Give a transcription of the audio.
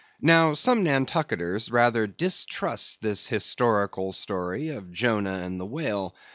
Now some Nantucketers rather distrust this historical story of Jonah and the whale.